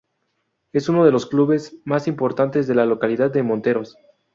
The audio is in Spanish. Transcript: Es uno de los clubes más importantes de la localidad de Monteros.